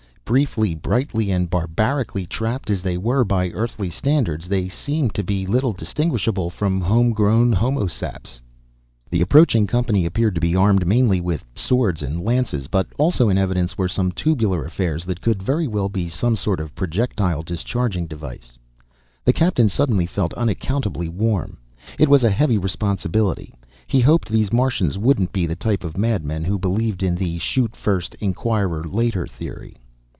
Briefly, brightly and barbarically trapped as they were by earthly standards, they seemed to be little distinguishable from homegrown homo saps. The approaching company appeared to be armed mainly with swords and lances, but also in evidence were some tubular affairs that could very well be some sort of projectile discharging device. The Captain suddenly felt unaccountably warm. It was a heavy responsibility he hoped these Martians wouldn't be the type of madmen who believed in the "shoot first, inquire later" theory.